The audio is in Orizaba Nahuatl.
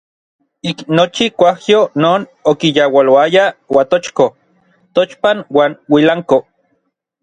Ik nochi kuajyo non okiyaualoaya Uatochko, Tochpan uan Uilanko.